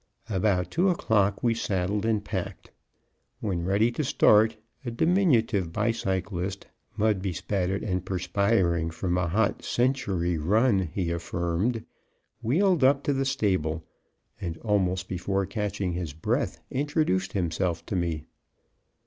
About two o'clock we saddled and packed. When ready to start, a diminutive bicyclist, mud bespattered and perspiring from a hot century run, he affirmed, wheeled up to the stable and, almost before catching his breath, introduced himself to me.